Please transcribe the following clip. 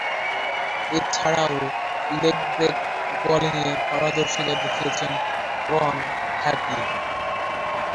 এছাড়াও, leg break বোলিংয়ে পারদর্শীতা দেখিয়েছেন রন হ্যাডলি।